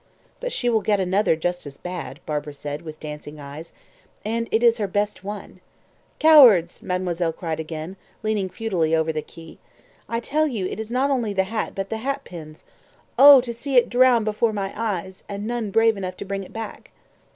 "But she will get another just as bad," Barbara said, with dancing eyes. "And it is her best one!" "Cowards!" mademoiselle cried again, leaning futilely over the quay. "I tell you, it is not only the hat, but the hat pins. Oh! to see it drown before my eyes, and none brave enough to bring it back!"